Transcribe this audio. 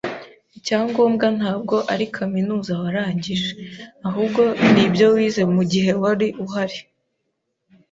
Icyangombwa ntabwo ari kaminuza warangije, ahubwo ni ibyo wize mugihe wari uhari.